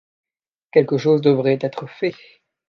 Quelque chose devait être fait.